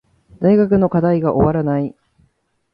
大学の課題が終わらない